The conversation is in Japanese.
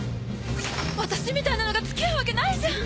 私みたいなのが付き合うわけないじゃん。